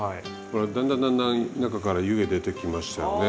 ほらだんだんだんだん中から湯気出てきましたよね。